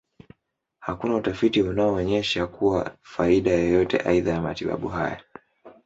Hakuna utafiti unaonyesha kuna faida yoyote aidha ya matibabu haya.